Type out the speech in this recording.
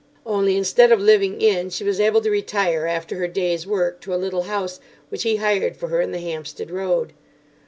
Only, instead of living in, she was able to retire after her day's work to a little house which he hired for her in the Hampstead Road.